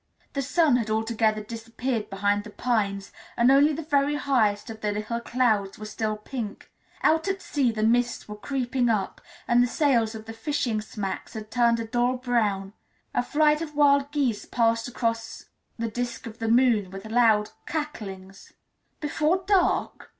The sun had altogether disappeared behind the pines and only the very highest of the little clouds were still pink; out at sea the mists were creeping up, and the sails of the fishing smacks had turned a dull brown; a flight of wild geese passed across the disc of the moon with loud cacklings. "Before dark?"